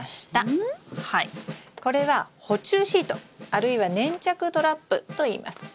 これは捕虫シートあるいは粘着トラップといいます。